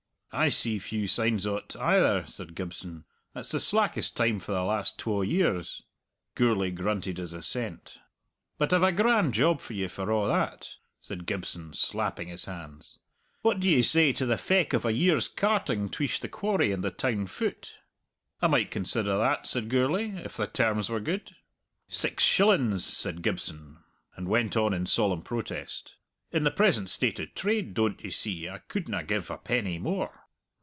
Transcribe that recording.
"I see few signs o't either," said Gibson, "it's the slackest time for the last twa years." Gourlay grunted his assent. "But I've a grand job for ye, for a' that," said Gibson, slapping his hands. "What do ye say to the feck of a year's carting tweesht the quarry and the town foot?" "I might consider that," said Gourlay, "if the terms were good." "Six shillins," said Gibson, and went on in solemn protest: "In the present state o' trade, doan't ye see, I couldna give a penny more."